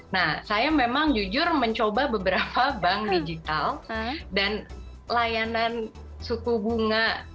nah saya memang jujur mencoba beberapa bank digital dan layanan suku bunga